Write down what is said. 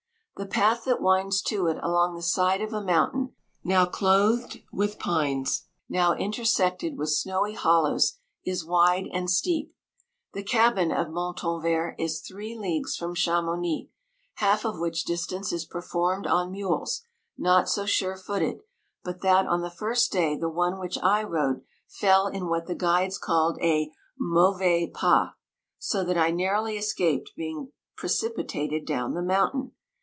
The path that winds to it along the side of a mountain, now clothed with pines, now intersected with snowy hollows, is wide and steep. The cabin of Montanvert is three leagues from Chamouni, half of which distance is performed on mules, not so sure footed, but that on the first day the one which I rode fell in what the guides call a mauvais pas, so that I nar rowly escaped being precipitated down the mountain.